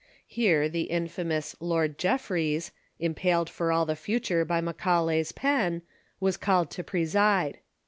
Here the infamous Lord Jeffreys, impaled for all the future by Macaulay's pen, was called to preside.